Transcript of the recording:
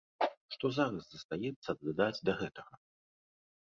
Што зараз застаецца дадаць да гэтага?